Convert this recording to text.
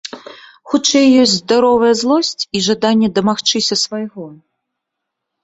Хутчэй ёсць здаровая злосць і жаданне дамагчыся свайго.